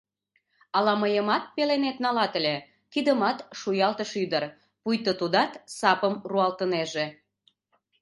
— Ала мыйымат пеленет налат ыле? — кидымат шуялтыш ӱдыр, пуйто тудат сапым руалтынеже.